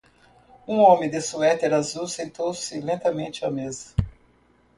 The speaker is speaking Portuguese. Um homem de suéter azul sentou-se lentamente à mesa.